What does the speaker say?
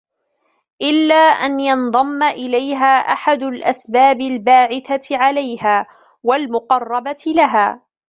إلَّا أَنْ يَنْضَمَّ إلَيْهَا أَحَدُ الْأَسْبَابِ الْبَاعِثَةِ عَلَيْهَا ، وَالْمُقَرَّبَةِ لَهَا